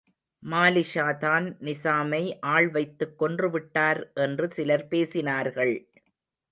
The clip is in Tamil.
மாலிக்ஷாதான் நிசாமை ஆள் வைத்துக் கொன்றுவிட்டார் என்று சிலர் பேசினார்கள்.